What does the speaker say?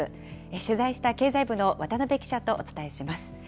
取材した経済部の渡邊記者とお伝えします。